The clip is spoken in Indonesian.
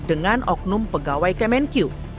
dengan oknum pegawai kemenku